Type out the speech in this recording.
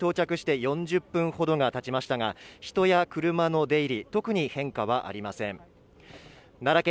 私がこの場所に到着して４０分ほどがたちましたが人や車の出入り、特に変化はありません。